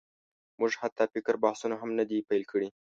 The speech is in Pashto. موږ حتی فکري بحثونه هم نه دي پېل کړي.